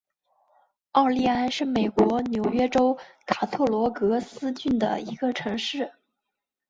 奥利安是美国纽约州卡特罗格斯郡的一个城市。